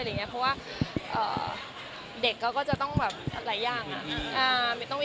เพราะว่าเด็กก็จะต้องอะไรอย่าง